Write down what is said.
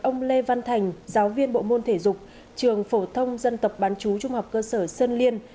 ông lê văn thành giáo viên bộ môn thể dục trường phổ thông dân tộc bán chú trung học cơ sở sơn liên